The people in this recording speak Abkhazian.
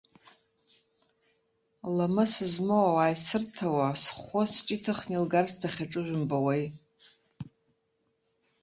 Ламыс змоу ауаа исырҭауа схәы сҿы иҭыхны илгарц дахьаҿу жәымбауеи.